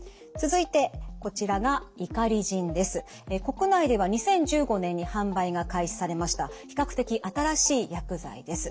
国内では２０１５年に販売が開始されました比較的新しい薬剤です。